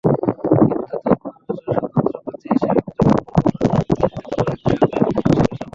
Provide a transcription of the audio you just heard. কিন্তু স্বতন্ত্র প্রার্থীর হিসেবে গতকাল মনোনয়নপত্র কিনেছেন দুবারের মেয়র শেখ আশরাফুল হক।